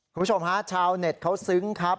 คุณผู้ชมฮะชาวเน็ตเขาซึ้งครับ